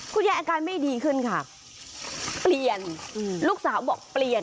อาการไม่ดีขึ้นค่ะเปลี่ยนลูกสาวบอกเปลี่ยน